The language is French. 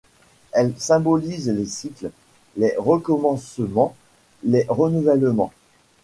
Elle symbolise les cycles, les recommencements, les renouvellements.